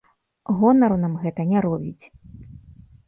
Гонару нам гэта не робіць.